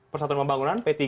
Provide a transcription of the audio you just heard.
persatuan pembangunan p tiga